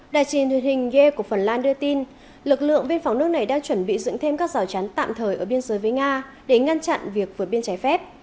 đại chiến thuyền hình gie của phần lan đưa tin lực lượng biên phóng nước này đang chuẩn bị dựng thêm các rào chán tạm thời ở biên giới với nga để ngăn chặn việc vượt biên trái phép